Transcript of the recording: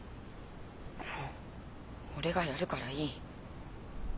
俺がやるからいい。